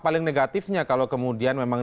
paling negatifnya kalau kemudian memang